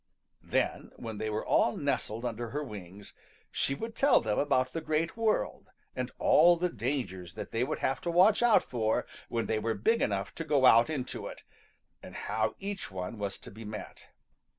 Then, when they were all nestled under her wings, she would tell them about the Great World and all the dangers that they would have to watch out for when they were big enough to go out into it, and how each one was to be met.